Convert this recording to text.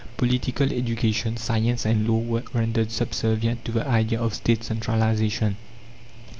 Political education, science, and law were rendered subservient to the idea of State centralization.